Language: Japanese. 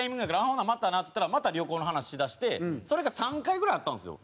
「ほんならまたな」っつったらまた旅行の話しだしてそれが３回ぐらいあったんですよ。